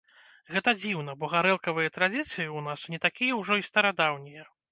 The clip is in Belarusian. Гэта дзіўна, бо гарэлкавыя традыцыі ў нас не такія ўжо і старадаўнія.